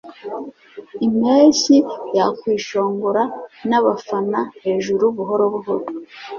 Impeshyi yakwishongora nabafana hejuru buhoro buhoro